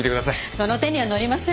その手には乗りません。